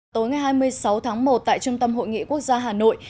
tối ngày hai mươi sáu tháng một tại trung tâm hội nghị quốc gia hà nội